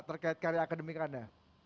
terkait karya akademik anda